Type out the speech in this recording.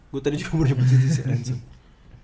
gue tadi juga lupa posisi lansun